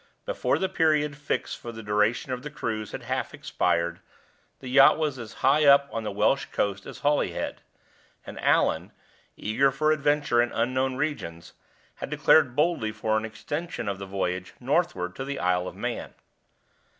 Before the period fixed for the duration of the cruise had half expired, the yacht was as high up on the Welsh coast as Holyhead; and Allan, eager for adventure in unknown regions, had declared boldly for an extension of the voyage northward to the Isle of Man.